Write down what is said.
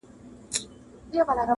له عرب تر چین ماچینه مي دېرې دي،